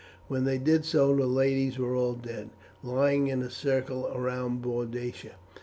When they did so the ladies were all dead, lying in a circle round Boadicea.